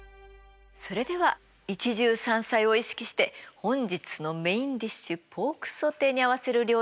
それでは一汁三菜を意識して本日のメインディッシュポークソテーに合わせる料理